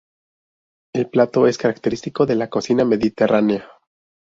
El plato es característico de la cocina mediterránea.